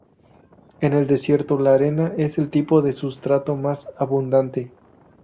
En el desierto, la arena es el tipo de sustrato más abundante.